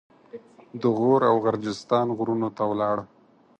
د غور او غرجستان غرونو ته ولاړ.